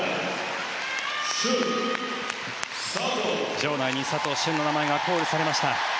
場内に佐藤駿の名前がコールされました。